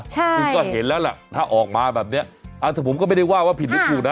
คือก็เห็นแล้วแหละถ้าออกมาแบบเนี่ยอันสุดผมก็ไม่ได้ว่าผิดหรือผิดนะ